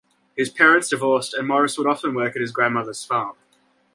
His parents divorced, and Morris would often work at his grandmother's farm.